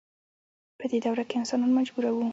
په دې دوره کې انسانان مجبور وو.